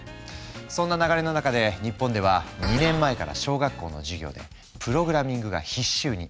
そんな流れの中で日本では２年前から小学校の授業でプログラミングが必修に。